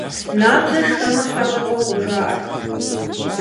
Набдзэр шхэмэ, хьэщӀэ къокӀуэ, жаӀэрт.